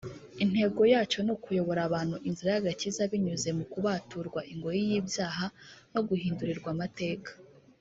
Intego yacyo ni ukuyobora abantu inzira y’agakiza binyuze mu kubaturwa ingoyi y’ibyaha no guhindurirwa amateka